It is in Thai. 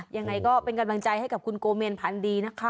ยังไงก็เป็นกำลังใจให้กับคุณโกเมนพันดีนะคะ